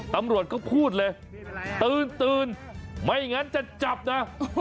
ตำรวจก็พูดเลยตื่นไม่งั้นจะจับนะ